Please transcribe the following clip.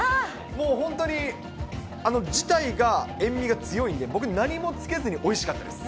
もう本当に、あの自体が、塩味が強いんで、僕何もつけずにおいしかったです。